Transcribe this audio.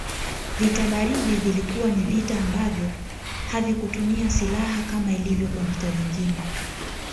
Vita baridi vilikuwa ni vita ambavyo havikutumia siilaha kama ilivyo kwa vita vingine